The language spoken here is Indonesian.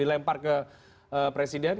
dilempar ke presiden